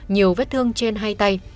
nhiều vết thương trên hai tay